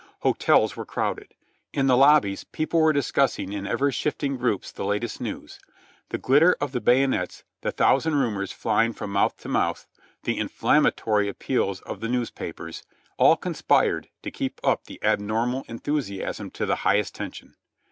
Hotels were crowded. In the lobbies people were discussing in ever shifting groups the latest news. The ghtter of the bayonets, the thou sand rumors flying from mouth to mouth, the inflammatory ap peals of the newspapers, all conspired to keep up the abnormal enthusiasm to the highest tension.